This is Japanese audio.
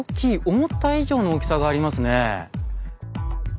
思った以上の大きさがありますね。